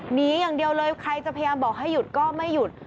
หนีอย่างเดียวเลยใครจะพยายามบอกให้หยุดก็ไม่หยุด